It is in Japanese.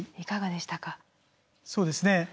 そうですね